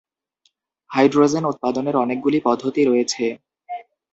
Hydrogen উৎপাদনের অনেকগুলি পদ্ধতি রয়েছে।